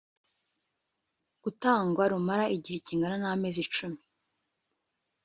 gutangwa rumara igihe kingana n amezi cumi